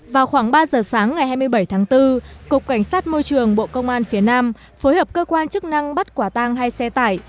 vào khoảng ba giờ sáng ngày hai mươi bảy tháng bốn cục cảnh sát môi trường bộ công an phía nam phối hợp cơ quan chức năng bắt quả tang hai xe tải